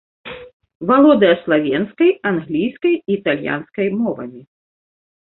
Валодае славенскай, англійскай і італьянскай мовамі.